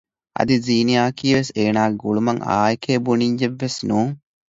އަދި ޒީނިޔާ އަކީ ވެސް އޭނާގެ ގުޅުމަށް އާއެކޭ ބުނިއްޔެއްވެސް ނޫން